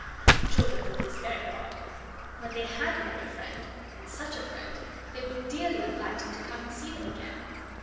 The children thought this very hard. When they HAD made a friend and such a friend they would dearly have liked him to come and see them again.